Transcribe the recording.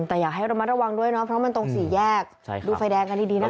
แต่อยากให้ระมัดระวังด้วยเนาะเพราะมันตรงสี่แยกดูไฟแดงกันดีนะคะ